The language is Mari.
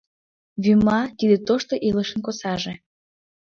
Вӱма — тиде тошто илышын косаже.